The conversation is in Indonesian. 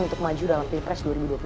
untuk maju dalam pilpres dua ribu dua puluh